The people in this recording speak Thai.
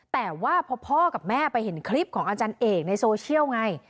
แต่ว่าพอพ่อกับแม่ไปเห็นคลิปของอาจารย์เอกในโซเชียลไง